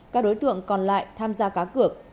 các đối tượng còn lại tham gia cá cược